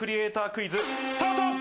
クイズ、スタート。